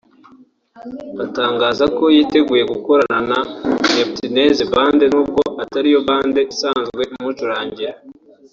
atangaza ko yiteguye gukorana na Neptunez Band nubwo atariyo Band isanzwe imucurangira